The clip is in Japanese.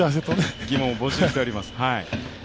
疑問を募集しております。